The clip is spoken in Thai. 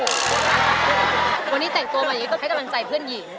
แต่ตัวแบบนี้ก็ให้กำลังใจเพื่อนหญิง